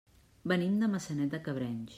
Venim de Maçanet de Cabrenys.